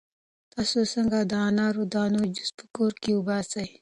تاسو څنګه د انار د دانو جوس په کور کې وباسئ؟